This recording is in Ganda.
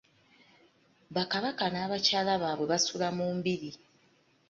Bakabaka n'abakyala baabwe basula mu mbiri.